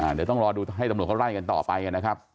เดี๋ยวต้องรอดูให้ตำรวจเขาไล่กันต่อไปนะครับ